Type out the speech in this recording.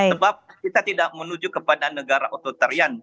sebab kita tidak menuju kepada negara ototarian